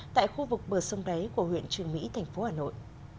tại khu vực bờ sông đáy của huyện trường mỹ thành phố hà nội